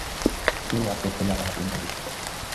তুই আর তোর ছেলে আমার হাতেই মরবি।